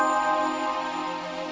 kalau kamu bingung kochen ya